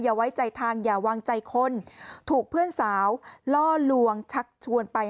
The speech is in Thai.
ไว้ใจทางอย่าวางใจคนถูกเพื่อนสาวล่อลวงชักชวนไป